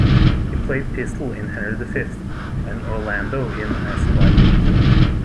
He played Pistol in "Henry the Fifth", and Orlando in "As You Like It".